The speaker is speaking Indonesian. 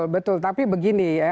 betul tapi begini ya